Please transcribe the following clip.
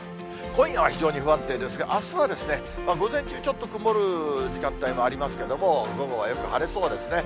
今夜は非常に不安定ですが、あすは午前中ちょっと曇る時間帯もありますけども、午後はよく晴れそうですね。